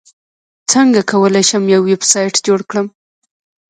څنګه کولی شم یو ویبسایټ جوړ کړم